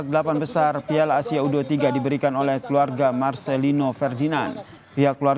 kalau misalnya sudah lawan luar luar kan cepat maksudnya keputusannya cepat